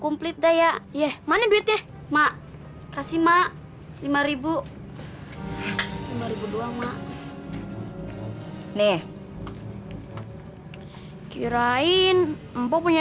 komplit daya ye mana duitnya mak kasih mak rp lima lima doang mak nih kirain mpok punya